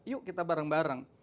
yuk kita bareng bareng